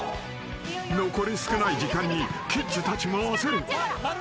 ［残り少ない時間にキッズたちも焦る］